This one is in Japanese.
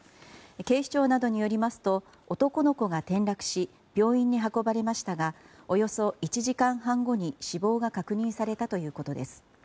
警視庁などによりますと男の子が転落し病院に運ばれましたがおよそ１時間半後に死亡が確認されたということです。